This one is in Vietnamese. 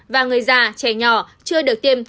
và người già trẻ nhỏ chưa được tiêm